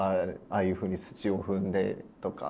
ああいうふうに土を踏んでとか。